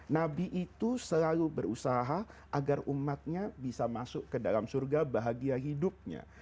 nabi itu selalu berusaha agar umatnya bisa masuk ke dalam surga bahagia hidupnya